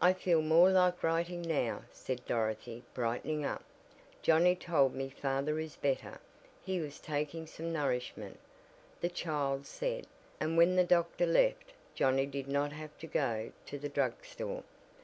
"I feel more like writing now," said Dorothy, brightening up, "Johnnie told me father is better he was taking some nourishment, the child said, and when the doctor left Johnnie did not have to go to the drug store.